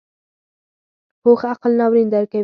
پوخ عقل ناورین درکوي